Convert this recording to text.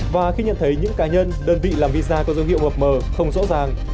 và khi nhận thấy những cá nhân đơn vị làm visa có dấu hiệu mập mờ không rõ ràng